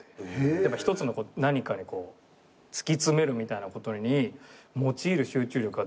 やっぱ一つの何かにこう突き詰めるみたいなことに用いる集中力は全然違くて。